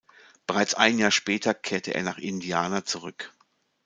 Bereits ein Jahr später kehrte er nach Indiana zurück.